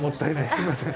すみません。